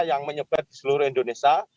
yang menyebar di seluruh indonesia